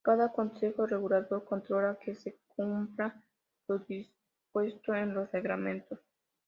Cada Consejo Regulador controla que se cumpla lo dispuesto en los reglamentos.